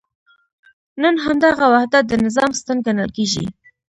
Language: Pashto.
نن همدغه وحدت د نظام ستن ګڼل کېږي.